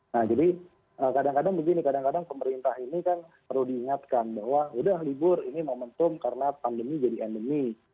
nah jadi kadang kadang begini kadang kadang pemerintah ini kan perlu diingatkan bahwa udah libur ini momentum karena pandemi jadi endemi